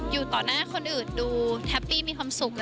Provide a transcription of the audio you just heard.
อยู่ต่อหน้าคนอื่นดูแฮปปี้มีความสุข